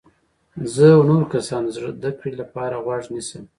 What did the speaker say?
زه و نورو کسانو ته د زده کړي لپاره غوږ نیسم.